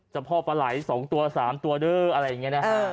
พ่อปลาไหล๒ตัว๓ตัวเด้ออะไรอย่างนี้นะฮะ